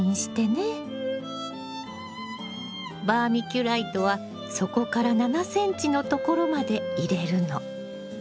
バーミキュライトは底から７ｃｍのところまで入れるの。